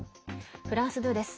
フランス２です。